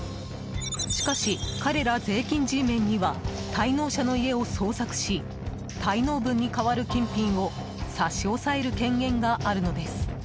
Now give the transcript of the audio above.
しかし彼ら税金Ｇメンには滞納者の家を捜索し滞納分にかわる金品を差し押さえる権限があるのです。